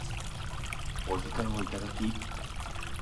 お時間をいただき